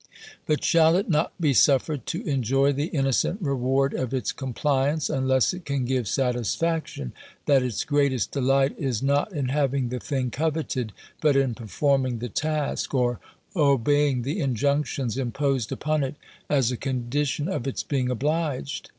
But shall it not be suffered to enjoy the innocent reward of its compliance, unless it can give satisfaction, that its greatest delight is not in having the thing coveted, but in performing the task, or obeying the injunctions imposed upon it as a condition of its being obliged?